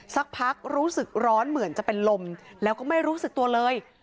สักพักรู้สึกร้อนเหมือนจะเป็นลมแล้วก็ไม่รู้สึกตัวเลย